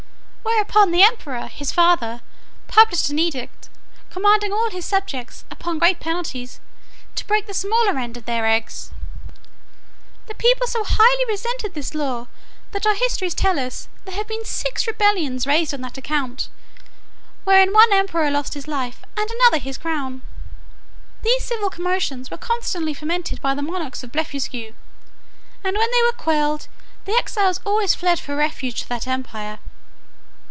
Whereupon the emperor his father published an edict, commanding all his subjects, upon great penalties, to break the smaller end of their eggs. The people so highly resented this law, that our histories tell us, there have been six rebellions raised on that account; wherein one emperor lost his life, and another his crown. These civil commotions were constantly fomented by the monarchs of Blefuscu; and when they were quelled, the exiles always fled for refuge to that empire.